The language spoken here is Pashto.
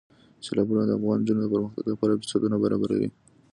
سیلابونه د افغان نجونو د پرمختګ لپاره فرصتونه برابروي.